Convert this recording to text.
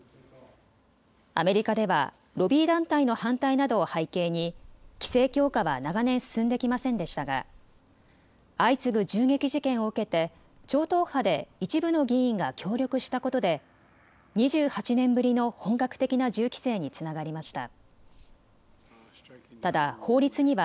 アメリカではロビー団体の反対などを背景に規制強化は長年、進んできませんでしたが相次ぐ銃撃事件を受けて超党派で一部の議員が協力したことで２８年ぶりの本格的な銃規制につながりました。